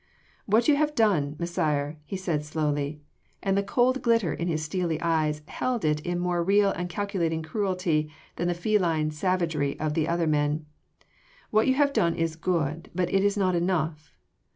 "What you have done, Messire," he said slowly and the cold glitter in his steely eyes held in it more real and calculating cruelty than the feline savagery of the other man, "what you have done is good, but it is not enough.